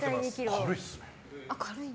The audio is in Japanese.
軽いですね。